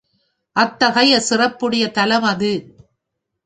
அத்தகைய சிறப்புடைய தலம் அது.